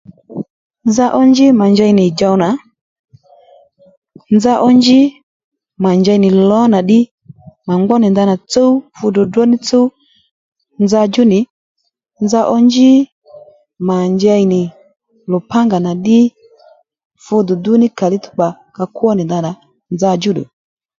Ya nzá nyi bbà nyǐngá dza kǎ nga bbǔbbú ro, ma gbú nì ma nyú ddà, ma mbr nì shǎyi kónó ma rà bba kǎ nga bbà ma rà rà cha dhǐy má ma nì rǎ njèy nì ò